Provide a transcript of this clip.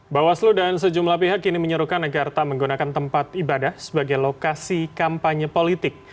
bawaslu dan sejumlah pihak kini menyuruhkan agar tak menggunakan tempat ibadah sebagai lokasi kampanye politik